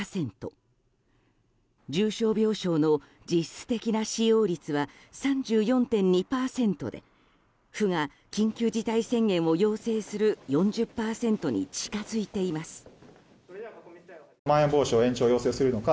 重症病床の実質的な使用率は３４．２％で府が緊急事態宣言を要請する４０％に近づいています。